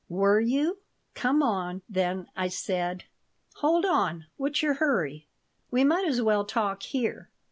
"Were you? Come on, then," I said "Hold on. What's your hurry? We might as well talk here."